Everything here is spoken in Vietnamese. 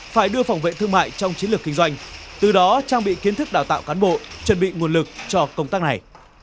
phải đưa phòng vệ thương mại trong chiến lược kinh doanh từ đó trang bị kiến thức đào tạo cán bộ chuẩn bị nguồn lực cho công tác này